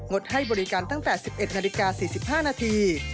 ดให้บริการตั้งแต่๑๑นาฬิกา๔๕นาที